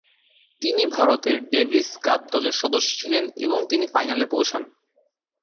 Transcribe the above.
তিনি ভারতের Davis Cup দলের সদস্য ছিলেন এবং তিনি ফাইনালে পৌঁছান।